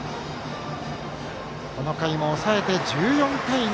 この回も抑えて１４対２。